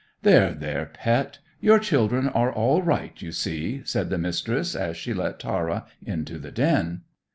"There, there, pet; your children are all right, you see," said the Mistress, as she let Tara into the den.